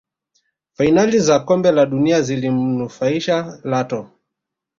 fainali za kombe la dunia zilimunufaisha Lato